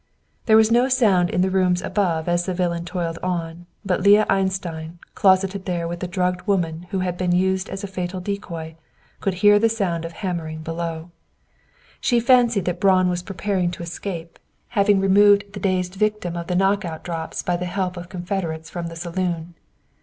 There was no sound in the rooms above as the villain toiled on, but Leah Einstein, closeted there with the drugged woman who had been used as a fatal decoy, could hear the sound of hammering below. She fancied that Braun was preparing to escape, having removed the dazed victim of the knock out drops by the help of confederates from the saloon.